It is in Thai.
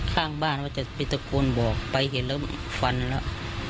ข้างบ้านว่าจะไปตะโกนบอกไปเห็นแล้วฟันแล้ว